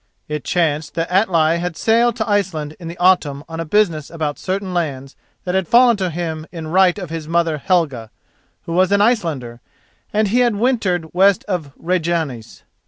It chanced that Atli had sailed to Iceland in the autumn on a business about certain lands that had fallen to him in right of his mother Helga, who was an Icelander, and he had wintered west of Reyjanes.